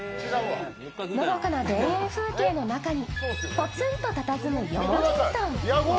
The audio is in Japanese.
のどかな田園風景の中にポツンとたたずむよもぎうどん。